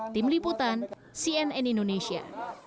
tim liputan cnn indonesia